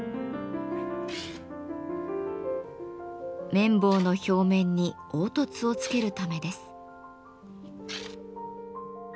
麺棒の表面に凹凸をつけるためです。